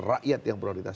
rakyat yang prioritas